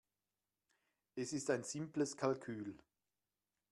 Es ist ein simples Kalkül.